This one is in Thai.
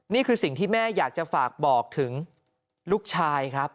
นี่คือสิ่งที่แม่อยากจะฝากบอกถึงลูกชายครับ